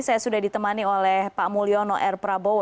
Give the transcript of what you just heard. saya sudah ditemani oleh pak mulyono r prabowo